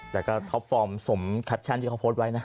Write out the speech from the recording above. แต่ก็ตอบฟอร์มสมคัทชันที่เขาโพสไว้นะ